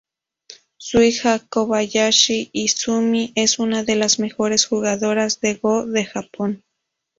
Su hija Kobayashi Izumi, es una de las mejores jugadoras de go de Japón.